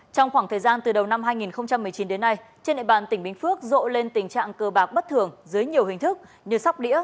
trong khoảng thời gian từ đầu năm hai nghìn một mươi chín đến nay trên địa bàn tỉnh bình phước rộ lên tình trạng cơ bạc bất thường dưới nhiều hình thức như sóc đĩa